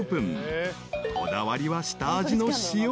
［こだわりは下味の塩］